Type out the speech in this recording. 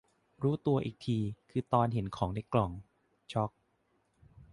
รู้ตัวอีกทีคือตอนเห็นของในกล่อง ช็อค